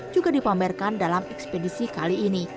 juga dipamerkan dalam ekspedisi kali ini